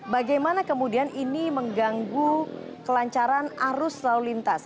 bagaimana kemudian ini mengganggu kelancaran arus lalu lintas